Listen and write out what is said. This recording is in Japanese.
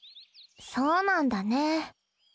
そうなんだね。